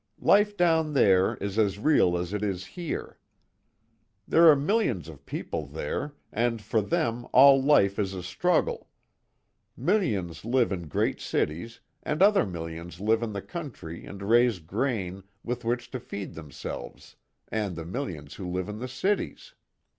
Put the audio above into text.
Life down there is as real as it is here. There are millions of people there and for them all life is a struggle. Millions live in great cities, and other millions live in the country and raise grain with which to feed themselves, and the millions who live in the cities.